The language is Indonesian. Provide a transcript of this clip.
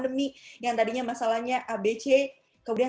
kalau misalkan diorang itu melihat dengan berbeda beda